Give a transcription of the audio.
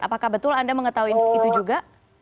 apakah betul anda mengetahui itu juga